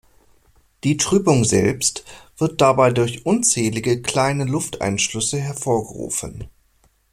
Die Trübung selbst wird dabei durch unzählige kleine Lufteinschlüsse hervorgerufen.